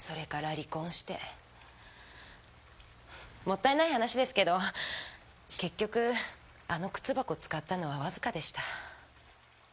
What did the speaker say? もったいない話ですけど結局あの靴箱使ったのはわずかでした。